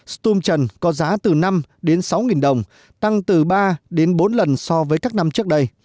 stom trần có giá từ năm đến sáu đồng tăng từ ba đến bốn lần so với các năm trước đây